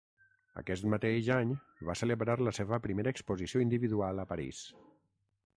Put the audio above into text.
Aquest mateix any va celebrar la seva primera exposició individual a París.